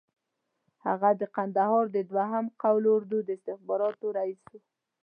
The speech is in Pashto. هغه د کندهار د دوهم قول اردو د استخباراتو رییس وو.